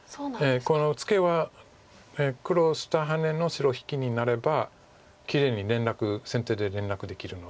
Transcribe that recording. ええこのツケは黒下ハネの白引きになればきれいに連絡先手で連絡できるので。